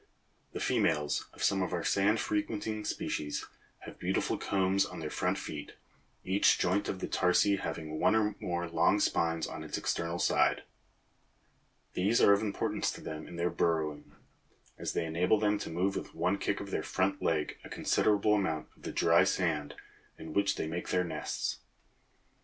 The females of some of our sand frequenting species have beautiful combs on their front feet, each joint of the tarsi having one or more long spines on its external side (figs. 3 and 4). These are of importance to them in their burrowing, as they enable them to move with one kick of their front leg a considerable amount of the dry sand in which they make their nests.